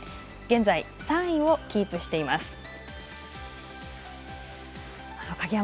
現在、３位をキープしています。